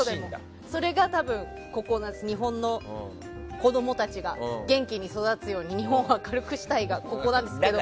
日本の子供たちが元気に育つように日本を明るくしたいが芯なんですけど。